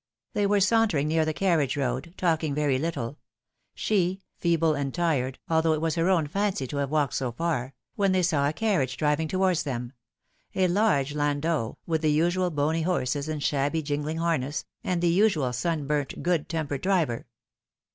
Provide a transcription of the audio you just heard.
They were sauntering near the carriage road, talk ing very little she, feeble and tired, although it was her own fancy to have walked so far when they saw a carriage driving towards them a large landau, with the usual bony horses and shabby jingling harness, and the usual sunburnt good tem pered driver.